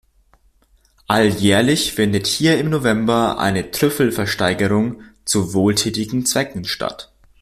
Alljährlich findet hier im November eine Trüffel-Versteigerung zu wohltätigen Zwecken statt.